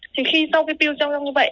thì khi sau khi piu trong lông như vậy